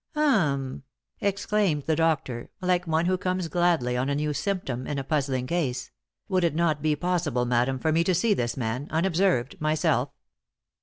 "H'm!" exclaimed the doctor, like one who comes gladly on a new symptom in a puzzling case; "would it not be possible, madam, for me to see this man, unobserved myself?